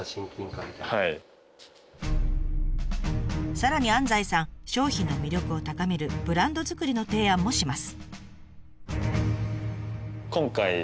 さらに安西さん商品の魅力を高めるブランド作りの提案もします。